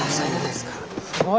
すごい！